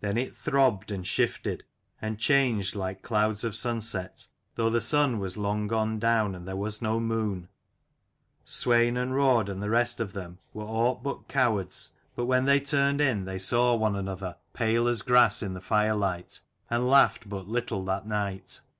Then it throbbed, and shifted, and changed like clouds of sunset, though the sun was long gone down and there was no moon. Swein and Raud and the rest 38 of them were aught but cowards: but when they turned in, they saw one another pale as grass in the firelight, and laughed but little that night.